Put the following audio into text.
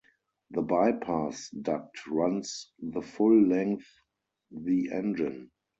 The bypass duct runs the full length the engine.